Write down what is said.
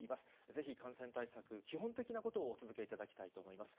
ぜひ感染対策、基本的なことをお続けいただきたいと思います。